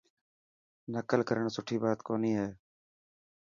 نڪل ڪرڻ سٺي بات ڪوني هي.